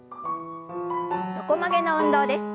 横曲げの運動です。